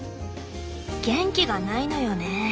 元気がないのよね。